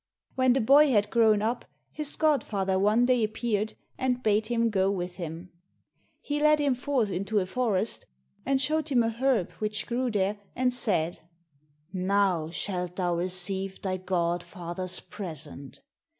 When the boy had grown up, his godfather one day appeared and bade him go with him. He led him forth into a forest, and showed him a herb which grew there, and said, "Now shalt thou receive thy godfather's present.